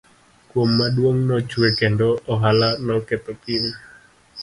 Koth maduong' nochwe kendo ohula noketho piny.